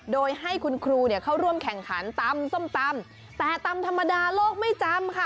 โดยให้คุณครูเนี่ยเข้าร่วมแข่งขันตำส้มตำแต่ตำธรรมดาโลกไม่จำค่ะ